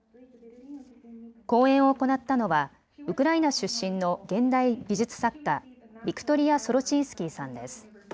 講演を行ったのはウクライナ出身の現代美術作家、ヴィクトリア・ソロチンスキーさんです。